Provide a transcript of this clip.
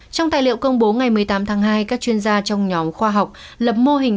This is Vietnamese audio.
trong tài liệu công bố ngày một mươi tám tháng hai các chuyên gia trong nhóm khoa học lập mô hình